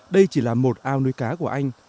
đây chỉ là một ao nuôi cá của anh